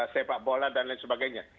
sepak bola dan lain sebagainya